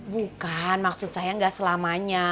bukan maksud saya gak selamanya